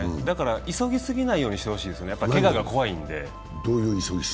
だから急ぎすぎないようにしてほしいですよね、けがが怖いんで。